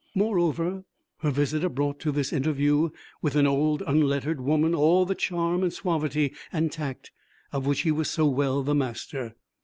Moreover, her visitor brought to this interview with an old unlettered woman all the charm and suavity and tact of which he was so well the master.